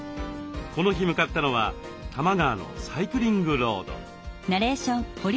この日向かったのは多摩川のサイクリングロード。